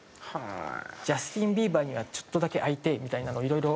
「ジャスティンビーバーにはちょっとだけ会いてえ」みたいなのをいろいろ。